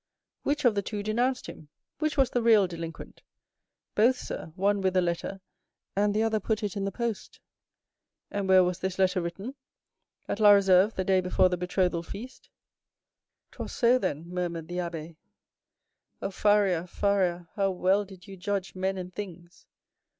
"Which of the two denounced him? Which was the real delinquent?" "Both, sir; one with a letter, and the other put it in the post." "And where was this letter written?" "At La Réserve, the day before the betrothal feast." "'Twas so, then—'twas so, then," murmured the abbé. "Oh, Faria, Faria, how well did you judge men and things!"